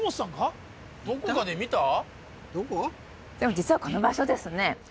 実はこの場所ですね